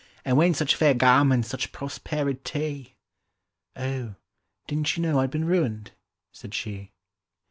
And whence such fair garments, such prosperi ty?"— "O didn't you know I'd been ruined?" said she.